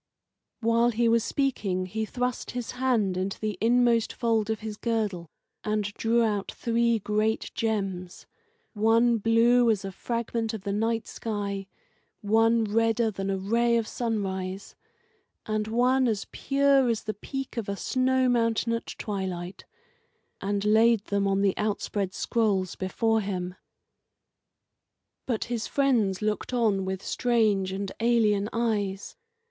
While he was speaking he thrust his hand into the inmost fold of his, girdle and drew out three great gems one blue as a fragment of the night sky, one redder than a ray of sunrise, and one as pure as the peak of a snow mountain at twilight and laid them on the outspread scrolls before him. But his friends looked on with strange and alien eyes.